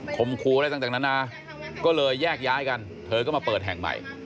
คมครูอะไรต่างนานาก็เลยแยกย้ายกันเธอก็มาเปิดแห่งใหม่